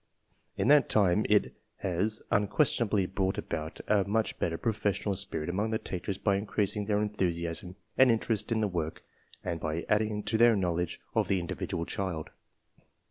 In that time it has un questionably brought about a much better professional spirit among the teachers by increasing their enthusiasm CLASSIFICATION BY MENTAL ABILITY 48 and interest in the work and by adding to their knowl edge of the individual child.